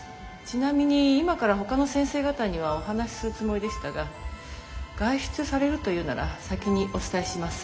ちなみに今からほかの先生方にはお話しするつもりでしたが外出されるというなら先にお伝えします。